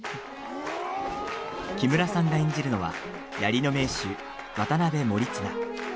木村さんが演じるのは、槍の名手渡辺守綱。